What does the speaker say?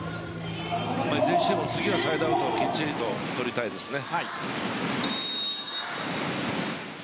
いずれにしても、次はサイドアウトきっちり取りたいですね。